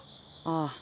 ああ。